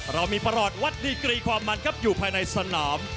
เรามีประหลอดวัดดีกรีความมันครับอยู่ภายในสนาม